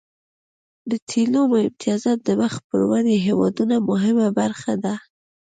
د تیلو امتیازات د مخ پر ودې هیوادونو مهمه برخه ده